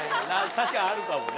確かにあるかもね。